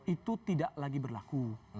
itu tidak lagi berlaku